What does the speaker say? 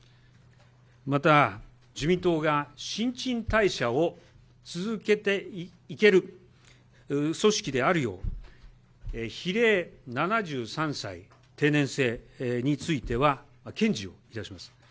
また、自民党が新陳代謝を続けていける組織であるよう、比例７３歳定年制については、堅持をいたします。